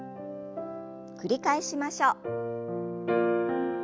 繰り返しましょう。